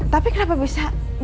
tapi kenapa bisa